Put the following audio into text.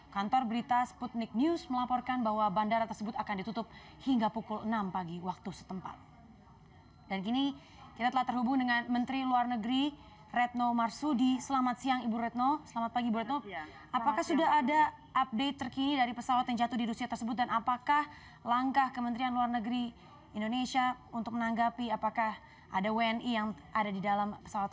kantor berita sputnik news melaporkan bahwa bandara tersebut akan ditutup hingga pukul enam pagi waktu setempat